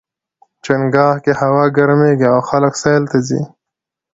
چنګاښ کې هوا ګرميږي او خلک سیل ته ځي.